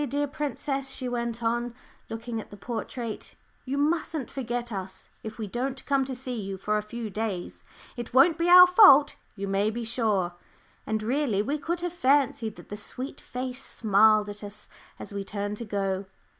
"Dear princess," she went on, looking at the portrait, "you mustn't forget us if we don't come to see you for a few days. It won't be our fault, you may be sure;" and really we could have fancied that the sweet face smiled at us as we turned to go.